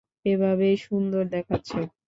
এভাবেই সুন্দর দেখাচ্ছে।